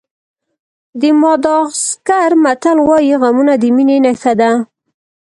د ماداغاسکر متل وایي غمونه د مینې نښه ده.